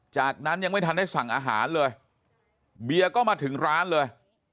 จากนั้นยังไม่ทันได้สั่งอาหารเลยเบียร์ก็มาถึงร้านเลย